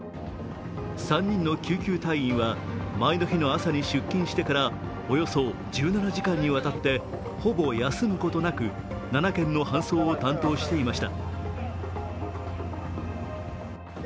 ３人の救急隊員は、前の日の朝に出勤してからおよそ１７時間にわたってほぼ休むことなく７件の搬送を担当していました。